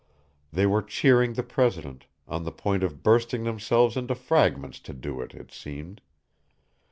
They were cheering the president, on the point of bursting themselves into fragments to do it, it seemed.